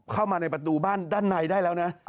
เข้ามาในประตูบ้านด้านในได้แล้วนะ